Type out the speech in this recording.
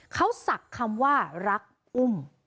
เขาศักดิ์คำว่ารักอุ้ม